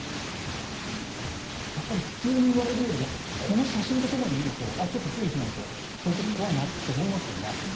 やはり普通に言われるより、この写真のように言われるたほうがちょっと注意しないと凍結怖いなって思いますよね。